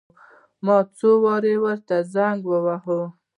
ما څو وارې ورته زنګ وواهه.